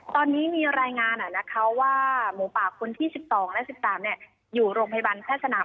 ตอนนี้มีรายงานนะคะว่าหมูป่าคนที่๑๒และ๑๓อยู่โรงพยาบาลแพทย์สนาม